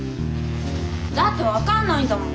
だって分かんないんだもん